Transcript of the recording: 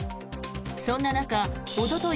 そんな中おととい